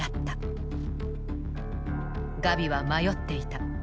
ガビは迷っていた。